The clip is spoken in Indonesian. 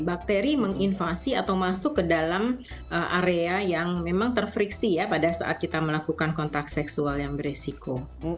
bakteri menginvasi atau masuk ke dalam area yang memang terfriksi ya pada saat kita melakukan kontak seksual yang beresiko